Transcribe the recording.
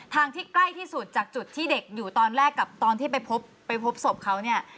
ที่ใกล้ที่สุดจากจุดที่เด็กอยู่ตอนแรกกับตอนที่ไปพบไปพบศพเขาเนี่ย